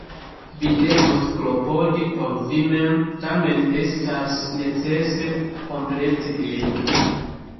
Vi devos klopodi por vi mem. Tamen estas necese komplezi ilin.